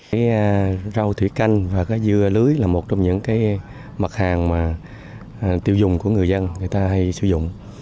cái rau thủy canh và cá dưa lưới là một trong những cái mặt hàng mà tiêu dùng của người dân người ta hay sử dụng